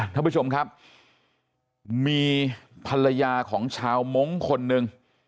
ท่านผู้ชมครับมีภรรยาของชาวมงค์คนหนึ่ง